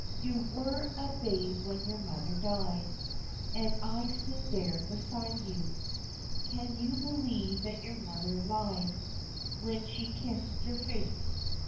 "You were a babe when your mother died, And I stood there beside her, Can you believe that your mother lied When she kissed your face?"